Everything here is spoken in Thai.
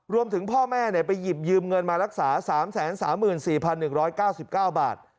รวมถึงพ่อแม่ไปหยิบยืมเงินมารักษาสามแสนสามหมื่นสี่พันหนึ่งร้อยเก้าสิบเก้าบาท